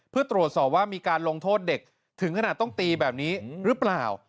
เพื่อตรวจสอบว่ามีการลงโทษเด็กถึงขนาดต้องตีแบบนี้หรือเปล่า